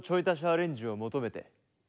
アレンジを求めて。